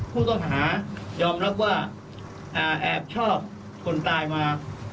ผู้ต้องหายอมรับว่าแอบชอบคนตายมา